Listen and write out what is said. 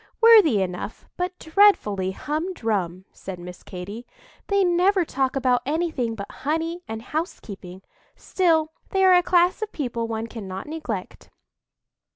"Worthy enough, but dreadfully humdrum," said Miss Katy. "They never talk about anything but honey and housekeeping; still, they are a class of people one cannot neglect."